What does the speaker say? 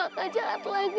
wok kau dit ward li